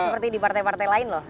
seperti di partai partai lain loh